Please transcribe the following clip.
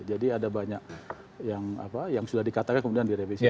jadi ada banyak yang apa yang sudah dikatakan kemudian direvisi